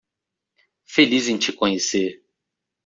Feliz em te conhecer.